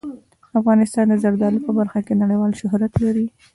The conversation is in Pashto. افغانستان د زردالو په برخه کې نړیوال شهرت لري.